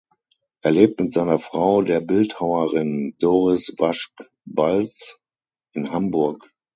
Er lebt mit seiner Frau, der Bildhauerin Doris Waschk-Balz, in Hamburg.